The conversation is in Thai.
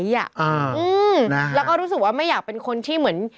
แล้วก็รู้สึกว่าไม่อยากเป็นคนที่เหมือน